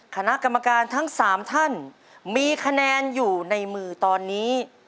คณะกรรมการทั้ง๓ท่านมีคะแนนอยู่ในมือตอนนี้